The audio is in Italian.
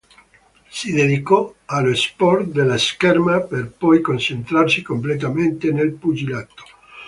Si dedicò allo sport della scherma per poi concentrarsi completamente nel pugilato.